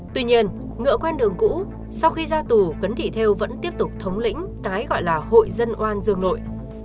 tuy nhiên ngựa quen đường cũ sau khi ra tù cấn thị theo vẫn tiếp tục thống lĩnh cái gọi là hội dân oan dương nội